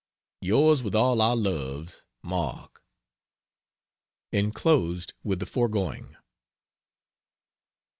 Yours with all our loves. MARK. [Inclosed with the foregoing.